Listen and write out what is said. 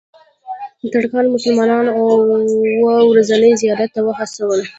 ترکانو مسلمانان اوو ورځني زیارت ته وهڅول.